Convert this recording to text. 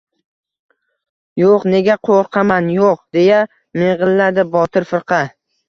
— Yo‘q, nega qo‘rqaman, yo‘q... — deya ming‘illadi Botir firqa.